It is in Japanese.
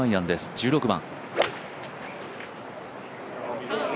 １６番。